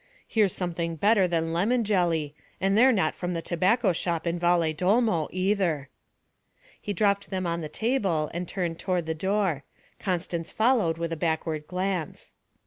'Here's something better than lemon jelly, and they're not from the tobacco shop in Valedolmo either.' He dropped them on the table and turned toward the door; Constance followed with a backward glance.